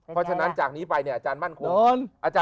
เพราะฉะนั้นจากนี้ไปเนี่ยอาจารย์มั่นคง